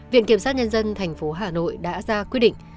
viện kiểm sát nhân dân thành phố hà nội đã ra quyết định